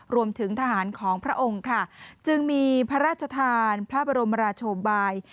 รวมถึงทหารของพระองค์ค่ะจึงมีพระราชทานพระบรมราชบาย